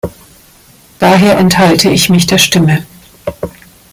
Daher enthalte ich mich der Stimme.